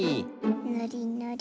ぬりぬり。